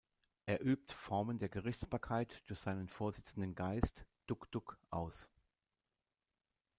Er übt Formen der Gerichtsbarkeit durch seinen vorsitzenden Geist, "Duk-Duk", aus.